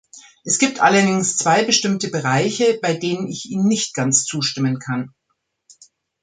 Es gibt allerdings zwei bestimme Bereiche, bei denen ich Ihnen nicht ganz zustimmen kann.